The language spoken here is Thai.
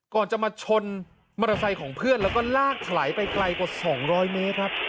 ก่อนจะมาชนมอเตอร์ไซค์ของเพื่อนแล้วก็ลากถลายไปไกลกว่า๒๐๐เมตรครับ